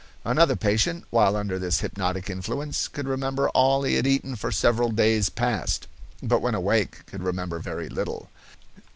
Another patient, while under this hypnotic influence, could remember all he had eaten for several days past, but when awake could remember very little.